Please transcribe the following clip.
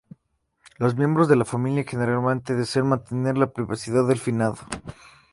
Los miembros de la familia generalmente desean mantener la privacidad del finado.